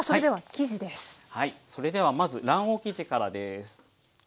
それではまず卵黄生地からです。